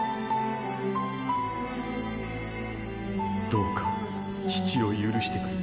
どうか父を許してくれ。